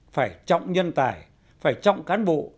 phải trọng nhân tài phải trọng cán bộ